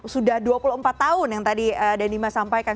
sudah dua puluh empat tahun yang tadi denima sampaikan